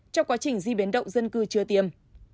trong quá trình di biến động dân cư chưa tiêm